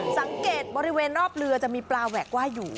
สังเกตบริเวณรอบเรือจะมีปลาแหวกว่ายอยู่